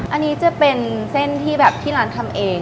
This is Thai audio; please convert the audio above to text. อันนี้จะเป็นเส้นที่แบบที่ร้านทำเอง